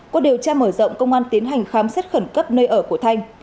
cuộc điều tra mở rộng công an tiến hành khám xét khẩn cấp nơi ở của thành